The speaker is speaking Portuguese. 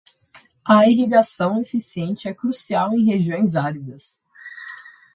A irrigação eficiente é crucial em regiões áridas.